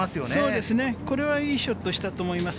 そうですね、これはいいショットしたと思います。